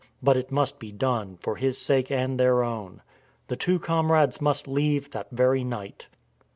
But it must be done, for his sake and their own. The two comrades must leave that very night.